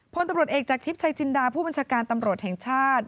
พลตำรวจเอกจากทิพย์ชัยจินดาผู้บัญชาการตำรวจแห่งชาติ